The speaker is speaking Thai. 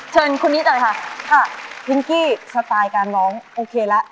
เชิญคุณนิตัยค่ะพิ้งกี้สไตล์การร้องโอเคละ